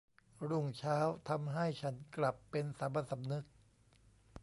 รุ่งเช้าทำให้ฉันกลับเป็นสามัญสำนึก